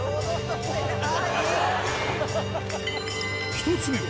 １つ目は